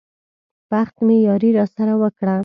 بخت مې ياري راسره وکړه.